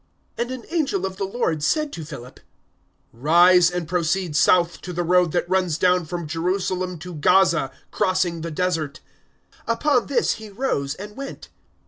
008:026 And an angel of the Lord said to Philip, "Rise and proceed south to the road that runs down from Jerusalem to Gaza, crossing the Desert." 008:027 Upon this he rose and went.